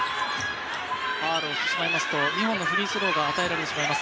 ファウルをしてしまうと２本のフリースローが与えられてしまいます。